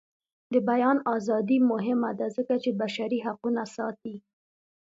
د بیان ازادي مهمه ده ځکه چې بشري حقونه ساتي.